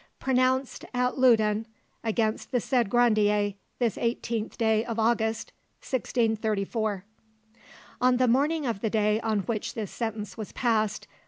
"Pronounced at Loudun against the said Grandier this 18th day of August 1634." On the morning of the day on which this sentence was passed, M.